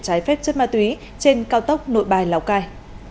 trái phép chất ma túy trên cao tốc nội bài lào cai